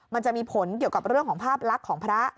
มันจะมีผลเกี่ยวกับเรื่องของภาพลักษณ์ของพระ